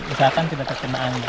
usahakan tidak terkena angin